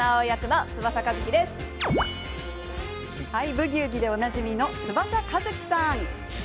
「ブギウギ」でおなじみの翼和希さん。